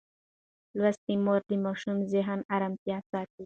لوستې مور د ماشوم ذهني ارامتیا ساتي.